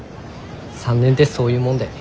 ３年ってそういうもんだよね。